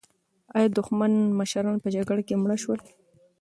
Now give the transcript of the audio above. ایا دښمن مشران په جګړه کې مړه شول؟